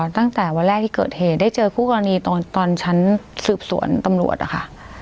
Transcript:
ตั้งแต่วันแรกที่เกิดเหตุได้เจอคู่กรณีตอนชั้นสืบสวนตำรวจนะคะ